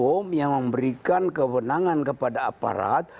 hukum yang memberikan kewenangan kepada aparat